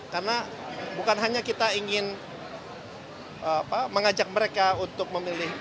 karena bukan hanya kita ingin mengajak mereka untuk memilih